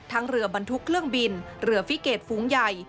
เรือบรรทุกเครื่องบินเรือฟิเกตฝูงใหญ่